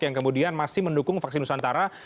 yang kemudian masih mendukung vaksin nusantara